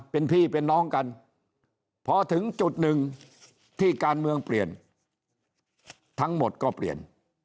เป็นพี่เป็นน้องกันพอถึงจุดหนึ่งที่การเมืองเปลี่ยนทั้งหมดก็เปลี่ยน